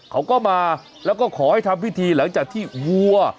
เขาก็มาแล้วก็ขอให้ทำพิธีหลังจากที่วัว